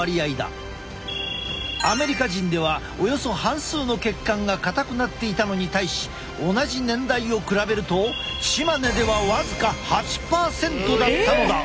アメリカ人ではおよそ半数の血管が硬くなっていたのに対し同じ年代を比べるとチマネでは僅か８％だったのだ。